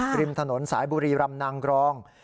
ริมถนนสายบุรีรำนางกรอง